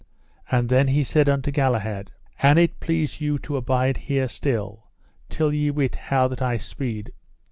And then he said unto Galahad: An it please you abide here still, till ye wit how that I speed.